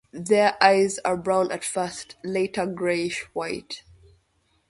Their eyes are brown at first, later grayish white.